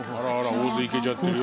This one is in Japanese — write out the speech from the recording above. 大勢行けちゃってるよ。